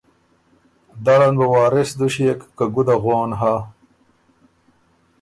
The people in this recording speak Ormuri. دل ان بُو وارث دشيېک که ګده غون هۀ